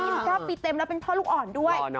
๑๙ปีเต็มแล้วเป็นพ่อลูกอ่อนด้วย